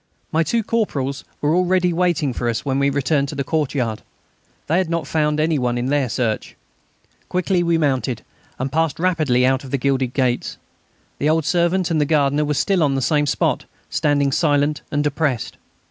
My two corporals were already waiting for us when we returned to the courtyard. They had not found any one in their search. Quickly we mounted, and passed rapidly out by the gilded gates. The old servant and the gardener were still on the same spot, standing silent and depressed.